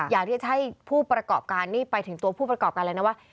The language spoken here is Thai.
อยากที่จะให้ผู้ประกอบการนี่ไปถึงตัวผู้ประกอบการเลยนะว่า